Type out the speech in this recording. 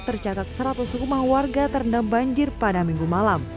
tercatat seratus rumah warga terendam banjir pada minggu malam